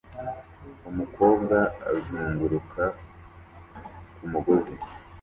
Umukobwa azunguruka ku mugozi